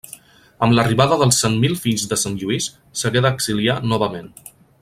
Amb l'arribada dels Cent Mil Fills de Sant Lluís s'hagué d'exiliar novament.